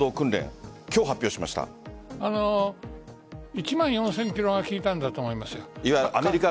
１万４０００ｋｍが効いたんだと思いますよ。